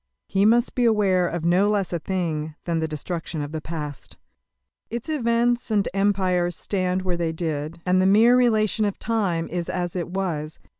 He must be aware of no less a thing than the destruction of the past. Its events and empires stand where they did, and the mere relation of time is as it was.